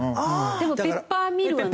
でもペッパーミルはなる。